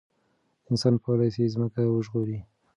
انسان کولای شي ځمکه وژغوري.